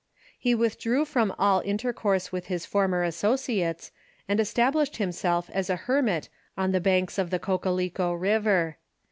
He withdrew from all inter course with his former associates, and established himself as a hermit on the banks of the Cocalico River.